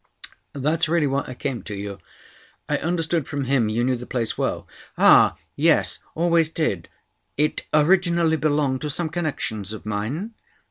"That's really why I came to you. I understood from him you knew the place well." "Oh, yes. Always did. It originally belonged to some connections of mine."